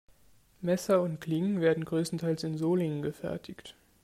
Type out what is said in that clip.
Messer und Klingen werden größtenteils in Solingen gefertigt.